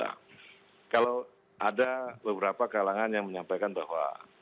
nah kalau ada beberapa kalangan yang menyampaikan bahwa